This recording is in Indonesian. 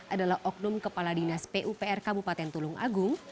adalah oknum kepala dinas pupr kabupaten tulung agung